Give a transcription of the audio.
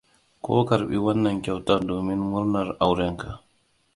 Ka karɓi wannan kyautar domin murnar auranka.